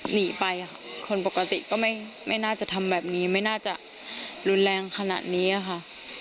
หนีไปค่ะคนปกติก็ไม่น่าจะทำแบบนี้ไม่น่าจะรุนแรงขนาดนี้ค่ะ